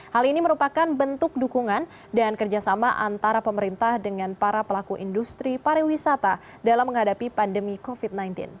hal ini merupakan bentuk dukungan dan kerjasama antara pemerintah dengan para pelaku industri pariwisata dalam menghadapi pandemi covid sembilan belas